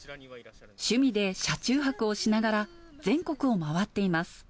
趣味で車中泊をしながら全国を回っています。